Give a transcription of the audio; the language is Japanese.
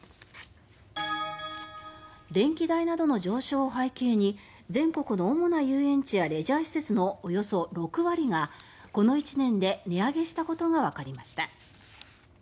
電気代などの上昇を背景に全国の主な遊園地やレジャー施設のおよそ６割がこの１年で値上げしたことがわかりました。